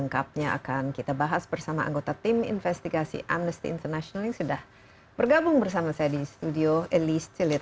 nah lalu apa apa saja temuan selengkapnya akan kita bahas bersama anggota tim investigasi amnesty international yang sudah bergabung bersama saya di studio elise tillit